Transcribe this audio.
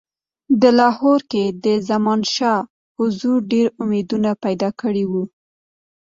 د لاهور کې د زمانشاه حضور ډېر امیدونه پیدا کړي وه.